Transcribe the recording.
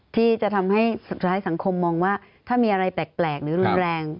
ที่จะทำให้สุดท้ายสังคมมองว่าถ้ามีอะไรแปลกหรือรุนแรง